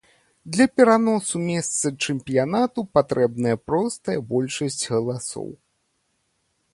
Для пераносу месца чэмпіянату патрэбная простая большасць галасоў.